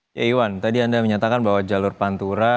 pak iwan tadi anda menyatakan bahwa jalur pantura